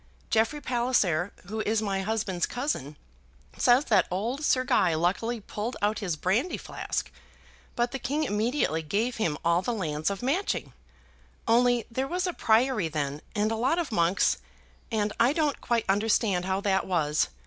Jeffrey Palliser, who is my husband's cousin, says that old Sir Guy luckily pulled out his brandy flask. But the king immediately gave him all the lands of Matching, only there was a priory then and a lot of monks, and I don't quite understand how that was.